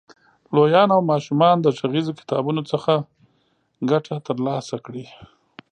لویان او ماشومان د غږیزو کتابونو څخه ګټه تر لاسه کړي.